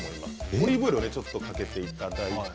オリーブオイルをちょっとかけていただいて。